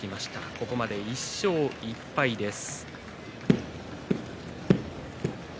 ここまで１勝１敗です。